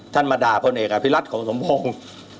ท่านมาด่าคนเอกอภิรัติของสมพงษ์